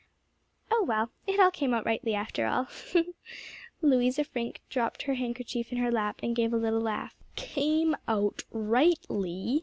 "Oh, well, it all came out rightly after all." Louisa Frink dropped her handkerchief in her lap, and gave a little laugh. "_Came out rightly!